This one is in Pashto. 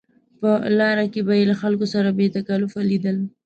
په لاره کې به یې له خلکو سره بې تکلفه لیدل.